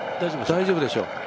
大丈夫でしょう。